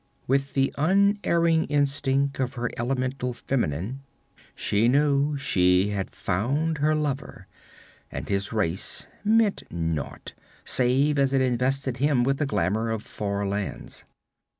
With the unerring instinct of the elemental feminine, she knew she had found her lover, and his race meant naught, save as it invested him with the glamor of far lands.